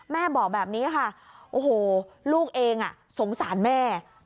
แม่บอกแบบนี้ค่ะโอ้โหลูกเองสงสารแม่